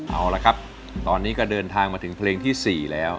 เอาละครับตอนนี้ก็เดินทางมาถึงเพลงที่๔แล้ว